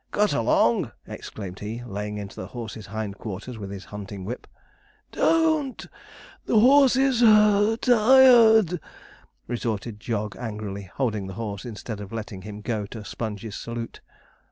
'Cut along!' exclaimed he, laying into the horse's hind quarters with his hunting whip. 'Don't! the horse is (puff) tired,' retorted Jog angrily, holding the horse, instead of letting him go to Sponge's salute.